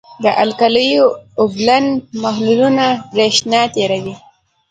د القلیو اوبلن محلولونه برېښنا تیروي.